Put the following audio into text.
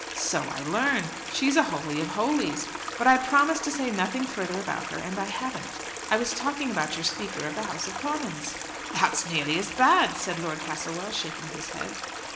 "So I learn. She's a holy of holies. But I promised to say nothing further about her, and I haven't. I was talking about your Speaker of the House of Commons." "That's nearly as bad," said Lord Castlewell, shaking his head.